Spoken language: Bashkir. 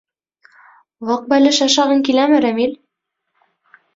— Ваҡбәлеш ашағың киләме, Рәмил?